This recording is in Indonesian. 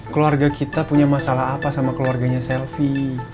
keluarga kita punya masalah apa sama keluarganya selvi